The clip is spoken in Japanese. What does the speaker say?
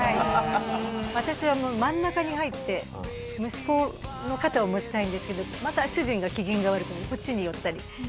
私は真ん中に入って息子の肩を持ちたいんですけどまた主人の機嫌が悪くなりこっちに寄ったり。